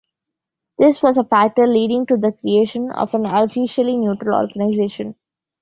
This was a factor leading to the creation of an officially neutral organisation.